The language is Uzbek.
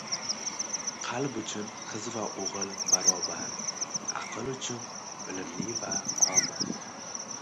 qalb uchun qiz va o‘g‘il barobar, aql uchun ― bilimli va omi.